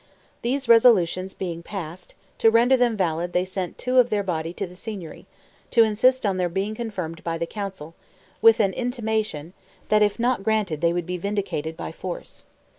These resolutions being passed, to render them valid they sent two of their body to the Signory, to insist on their being confirmed by the Council, with an intimation, that if not granted they would be vindicated by force.